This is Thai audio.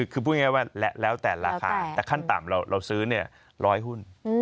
คือพูดง่ายว่าแล้วแต่ราคาแต่ขั้นต่ำเราซื้อ๑๐๐หุ้น